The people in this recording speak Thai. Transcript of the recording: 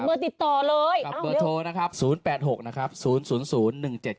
เพราะว่าใครหลายคนบอกดูแล้วอยากให้ไปเล่นที่งานมากจังเลย